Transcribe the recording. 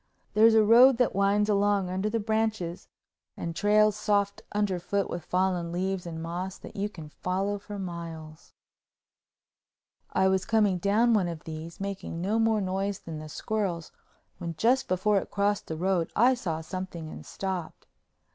There's a road that winds along under the branches, and trails, soft under foot with fallen leaves and moss, that you can follow for miles. I was coming down one of these, making no more noise than the squirrels, when just before it crossed the road I saw something and stopped.